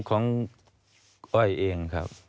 ของอ้อยเองครับ